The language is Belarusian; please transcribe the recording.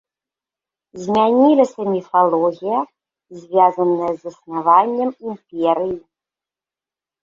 Змянілася міфалогія, звязаная з заснаваннем імперыі.